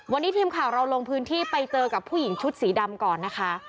วันนี้ทีมข่าวเราลงพื้นที่ไปเจอกับผู้หญิงชุดสีดำก่อนนะคะ